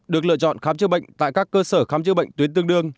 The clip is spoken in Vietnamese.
được lựa chọn khám chữa bệnh tại các cơ sở khám chữa bệnh tuyến tương đương